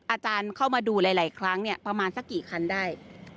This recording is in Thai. อาจารย์เข้ามาดูหลายครั้งเนี่ยประมาณสักกี่คันได้